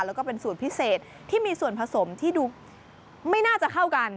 แล้วก็เป็นสูตรพิเศษที่มีส่วนผสมที่ดูไม่น่าจะเข้ากัน